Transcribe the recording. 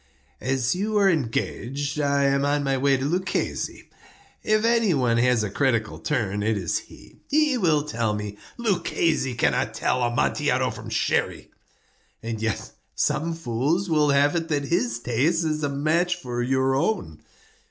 "As you are engaged, I am on my way to Luchesi. If any one has a critical turn, it is he. He will tell me—" "Luchesi cannot tell Amontillado from Sherry." "And yet some fools will have it that his taste is a match for your own."